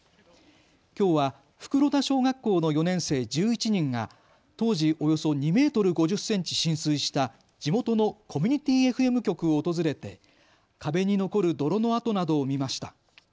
きょうは袋田小学校の４年生１１人が当時、およそ２メートル５０センチ浸水した地元のコミュニティーＦＭ局を訪れて壁に残る泥の跡などを見ました。